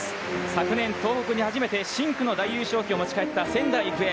昨年、東北に初めて深紅の大優勝旗を持ち帰った仙台育英。